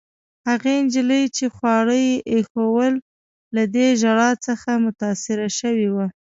هغې نجلۍ، چي خواړه يې ایښوول، له دې ژړا څخه متاثره شوې وه.